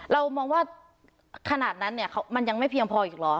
เรามองว่าขนาดนั้นเนี่ยมันยังไม่เพียงพออีกเหรอ